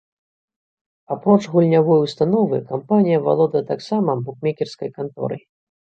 Апроч гульнявой установы, кампанія валодае таксама букмекерскай канторай.